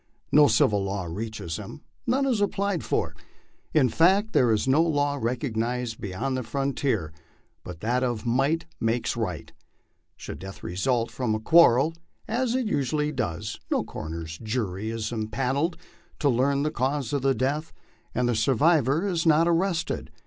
No civil law reaches him ; none is applied for. In fact there is no law recognized beyond the fron tier but that of "might makes right." Should death result from the quarrel* as it usually does, no coroner's jury is impanelled to learn the cause of death, and the survivor is not arrested.